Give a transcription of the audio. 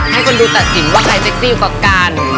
ให้คนดูตัดสินว่าใครเซ็กซี่กว่ากัน